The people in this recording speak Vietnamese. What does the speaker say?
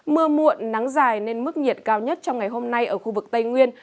mưa muộn nắng dài nên mức nhiệt cao nhất trong ngày hôm nay ở khu vực tây nguyên